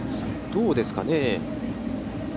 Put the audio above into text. どうですかね。